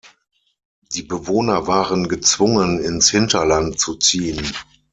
Die Bewohner waren gezwungen, ins Hinterland zu ziehen.